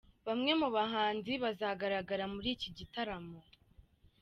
Bamwe mu bahanzi bazagaragara muri iki gitaramo